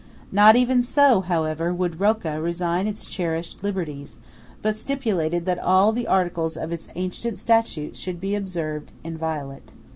Not even so, however, would Rocca resign its cherished liberties, but stipulated that all the articles of its ancient statute should be observed inviolate.